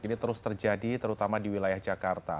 ini terus terjadi terutama di wilayah jakarta